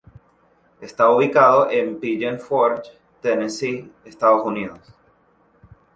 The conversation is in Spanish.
Está ubicado en Pigeon Forge, Tennessee, Estados Unidos.